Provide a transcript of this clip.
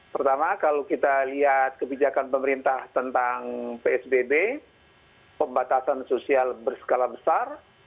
pertama kalau kita lihat kebijakan pemerintah tentang psbb pembatasan sosial berskala besar